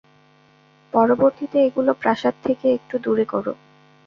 পরবর্তীতে, এগুলো প্রাসাদ থেকে একটু দূরে করো।